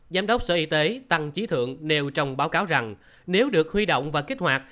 giám đốc sở y tế tăng trí thượng nêu trong báo cáo rằng nếu được huy động và kích hoạt